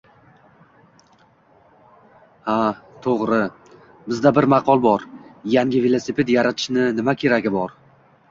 Ha, toʻgʻri. Bizda bir maqol bor: Yangi velosiped yaratishni nima keragi bor!